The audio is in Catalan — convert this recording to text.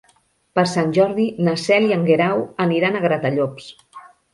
Per Sant Jordi na Cel i en Guerau aniran a Gratallops.